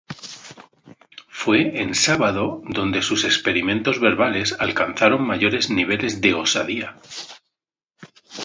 Fue en "Sábado" donde sus experimentos verbales alcanzaron mayores niveles de osadía.